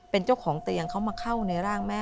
เป็นเจ้าของเตียงเขามาเข้าในร่างแม่